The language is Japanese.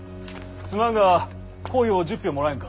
すまんがこいを１０俵もらえんか。